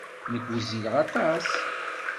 Nekk wezzileɣ aṭas.